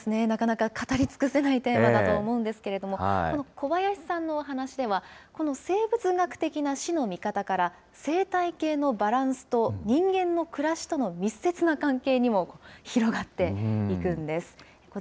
なかなか語り尽くせないテーマだと思うんですけれども、この小林さんのお話では、この生物学的な死の見方から、生態系のバランスと人間に暮らしとの密接な関係にも広がっていくんです。